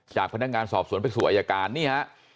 จากพนักงานสอบสวนไปสู่อายการนี่ฮะ